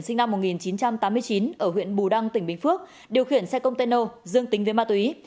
sinh năm một nghìn chín trăm tám mươi chín ở huyện bù đăng tỉnh bình phước điều khiển xe container dương tính với ma túy